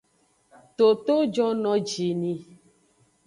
Toto jonojini.